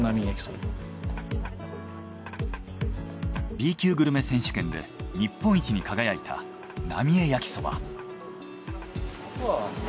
Ｂ級グルメ選手権で日本一に輝いたなみえ焼そば。